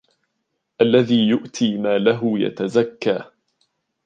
الَّذِي يُؤْتِي مَالَهُ يَتَزَكَّى